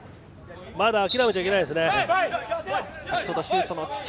まだ諦めちゃいけないです。